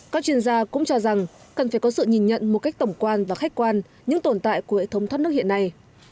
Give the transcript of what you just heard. các chuyên gia cũng cho rằng cần phải có sự nhìn nhận một cách tổng quan và khách quan những tồn tại của hệ thống thoát nước hiện nay